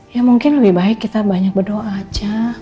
ya mungkin lebih baik kita banyak berdoa aja